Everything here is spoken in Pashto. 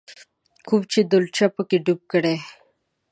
کوم چې ډولچه په کې ډوب کړې.